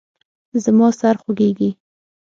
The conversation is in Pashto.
زما سر خوږیږي